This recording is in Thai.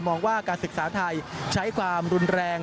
ว่าการศึกษาไทยใช้ความรุนแรง